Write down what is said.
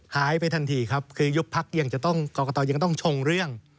หายไปทันทีครับคือยุบพักยังจะต้องกรกตยังต้องชงเรื่อง